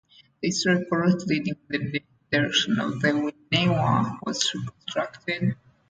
The historical route leading in the direction of Wieniawa was reconstructed.